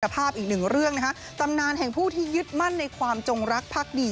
ภาพอีกหนึ่งเรื่องนะคะตำนานแห่งผู้ที่ยึดมั่นในความจงรักพักดี